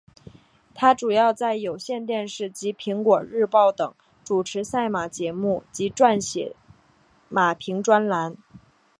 她主要在有线电视及苹果日报等主持赛马节目及撰写马评专栏。